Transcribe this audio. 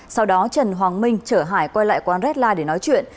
sau đó trần hoàng minh chở hải quay lại quán red light để nói chuyện